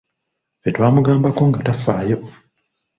Ffe twamugambako nga tafaayo!